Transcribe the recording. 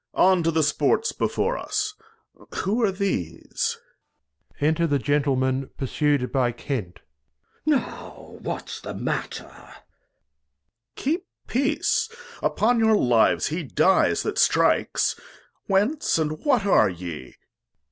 On, to the Sports before us. Who are these ? Enter the Gentleman pursu'd by Kent. Glost. Now, what's the Matter ? Act ii] King Lear 197 Duke. Keep Peace upon your Lives, he dies that strikes. Whence, and what are ye